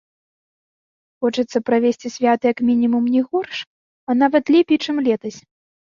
Хочацца правесці свята як мінімум не горш, а нават лепей, чым летась.